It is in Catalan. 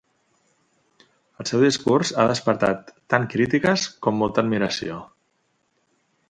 El seu discurs ha despertat tant crítiques com molta admiració.